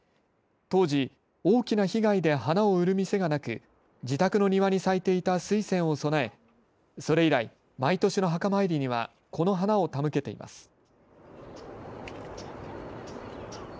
当時、大きな被害で花を売る店がなく自宅の庭に咲いていたスイセンを供えそれ以来、毎年墓参りにはこの花を手向けています。